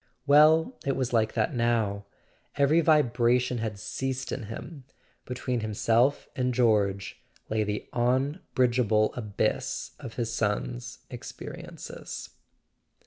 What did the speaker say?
.. Well, it was like that now: every vibration had ceased in him. Between himself and George lay the unbridge¬ able abyss of his son's experiences.